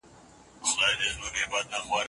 خپل کاروبار ته دوام ورکړئ.